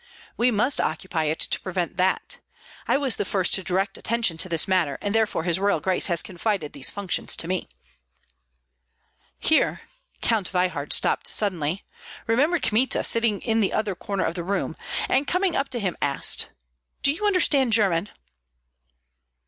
We must occupy it to prevent that. I was the first to direct attention to this matter, and therefore his Royal Grace has confided these functions to me." Here Count Veyhard stopped suddenly, remembered Kmita, sitting in the other corner of the room, and coming up to him, asked, "Do you understand German?"